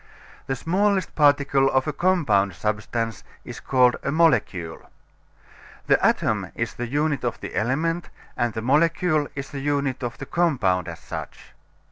The smallest particle of a compound substance is called a molecule. The atom is the unit of the element, and the molecule is the unit of the compound as such.